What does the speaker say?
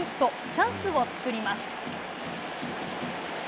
チャンスを作ります。